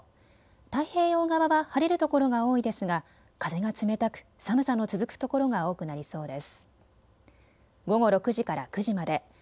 太平洋側は晴れるところが多いですが風が冷たく寒さの続くところが多くなりそうです。